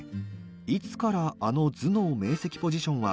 「いつからあの頭脳明晰ポジションは」